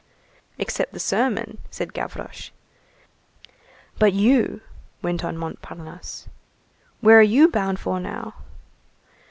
"Except the sermon," said Gavroche. "But you," went on Montparnasse, "where are you bound for now?"